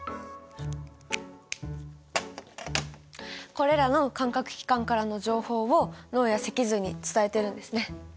これらの感覚器官からの情報を脳や脊髄に伝えてるんですね。